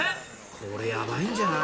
これ、やばいんじゃない？